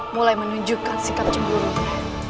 mulai menunjukkan sikap cemburu